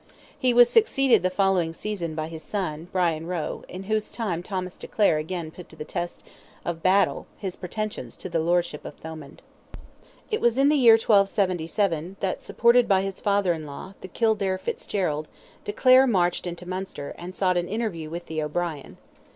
He was succeeded the following season by his son, Brian Roe, in whose time Thomas de Clare again put to the test of battle his pretensions to the lordship of Thomond. It was in the year 1277, that, supported by his father in law, the Kildare Fitzgerald, de Clare marched into Munster, and sought an interview with the O'Brien.